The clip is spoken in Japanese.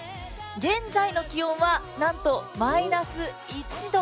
現在の気温は、なんとマイナス１度。